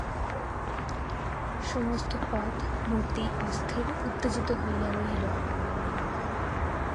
সমস্ত পথ মতি অস্থির, উত্তেজিত হইয়া রহিল!